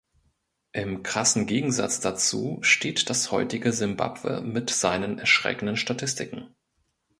Im krassen Gegensatz dazu steht das heutige Simbabwe mit seinen erschreckenden Statistiken.